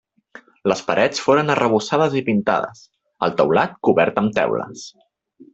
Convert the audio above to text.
Les parets foren arrebossades i pintades; el teulat cobert amb teules.